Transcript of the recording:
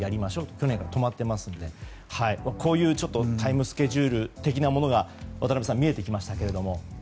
去年から止まっていますのでちょっとタイムスケジュール的なものが渡辺さん見えてきましたけれども。